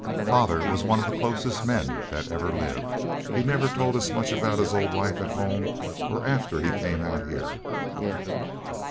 Father was always one of the closest men that ever lived. He never told us much about his old life at home or after he came out here.